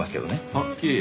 あっいえ